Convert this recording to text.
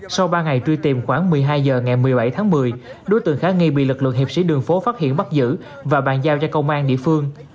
sau ba ngày truy tìm khoảng một mươi hai h ngày một mươi bảy tháng một mươi đối tượng khá nghi bị lực lượng hiệp sĩ đường phố phát hiện bắt giữ và bàn giao cho công an địa phương